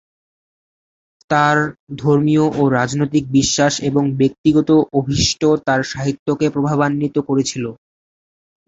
তার ধর্মীয় ও রাজনৈতিক বিশ্বাস এবং ব্যক্তিগত অভীষ্ট তার সাহিত্যকে প্রভাবান্বিত করেছিল।